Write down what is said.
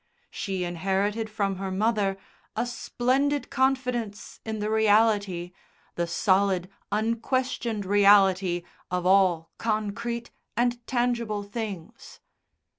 She inherited from her mother a splendid confidence in the reality, the solid, unquestioned reality of all concrete and tangible things.